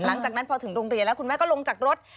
หลังจากนั้นพอถึงโรงเรียนแล้วคุณแม่ก็ลงจากรถ